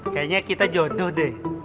kayaknya kita jodoh deh